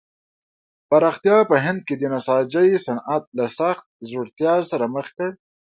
پراختیا په هند کې د نساجۍ صنعت له سخت ځوړتیا سره مخ کړ.